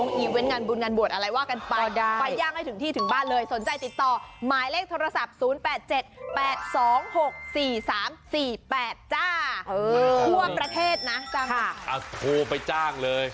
นี่ได้กินอาทารเนอะ